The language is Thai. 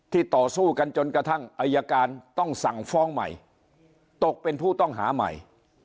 ต่อสู้กันจนกระทั่งอายการต้องสั่งฟ้องใหม่ตกเป็นผู้ต้องหาใหม่